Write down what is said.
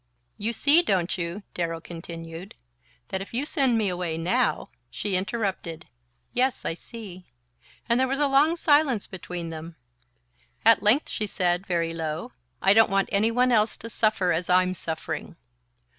"You see, don't you," Darrow continued, "that if you send me away now " She interrupted: "Yes, I see " and there was a long silence between them. At length she said, very low: "I don't want any one else to suffer as I'm suffering..."